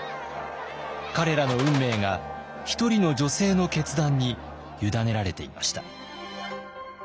彼らの運命が一人の女性の決断に委ねられていました。